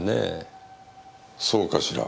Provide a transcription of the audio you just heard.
そうかしら？